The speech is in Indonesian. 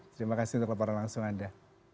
terima kasih untuk laporan langsung anda